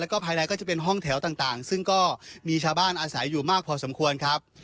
แล้วก็ภายในก็จะเป็นห้องแถวต่างซึ่งก็มีชาวบ้านอาศัยอยู่มากพอสมควรครับ